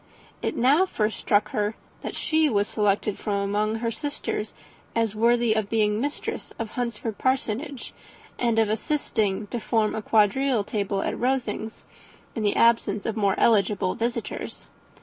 It now first struck her, that she was selected from among her sisters as worthy of being the mistress of Hunsford Parsonage, and of assisting to form a quadrille table at Rosings, in the absence of more eligible visitors.